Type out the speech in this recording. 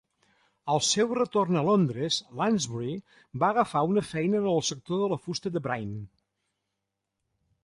Al seu retorn a Londres, Lansbury va agafar una feina en el sector de la fusta de Brine.